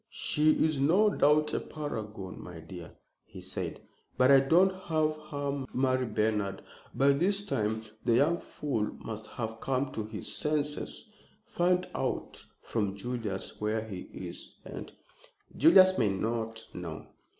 "She is no doubt a paragon, my dear," he said; "but I won't have her marry Bernard. By this time the young fool must have come to his senses. Find out from Julius where he is, and " "Julius may not know!"